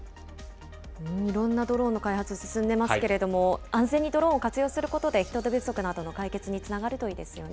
いろんなドローンの開発、進んでますけれども、安全にドローンを活用することで、人手不足などの解決につながるといいですよね。